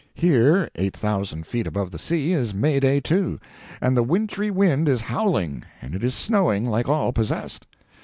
Here 8,000 feet above the sea is May Day, too, and the wintry wind is howling, and it is snowing like all possessed.